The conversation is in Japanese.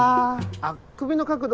あ首の角度